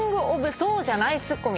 そうじゃないツッコミ？